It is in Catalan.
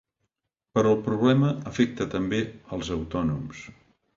Però el problema afecta també els autònoms.